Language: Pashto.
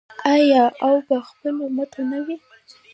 آیا او په خپلو مټو نه وي؟